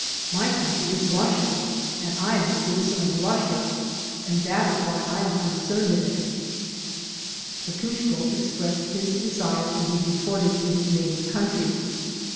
My country is Russia and I am a citizen of Russia, and that is why I am concerned in it." 60 THE DEPORTATION CASES Matushko expressed his desire to be deported to his native country.